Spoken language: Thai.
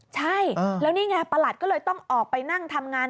ใช่แล้วนี่ไงประหลัดก็เลยต้องออกไปนั่งทำงาน